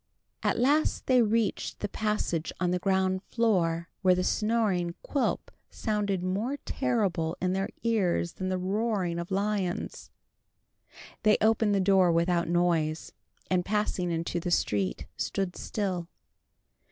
At last they reached the passage on the ground floor, where the snoring of Quilp sounded more terrible in their ears than the roaring of lions. They opened the door without noise, and passing into the street, stood still.